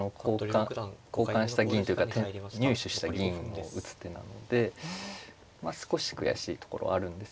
交換した銀というか入手した銀を打つ手なのでまあ少し悔しいところあるんですけれども。